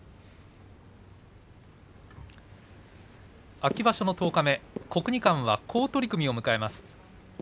秋場所の十日目国技館は好取組を迎えます。